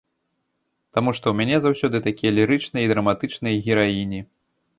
Таму што ў мяне заўсёды такія лірычныя і драматычныя гераіні.